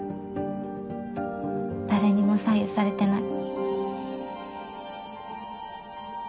誰にも左右されてない。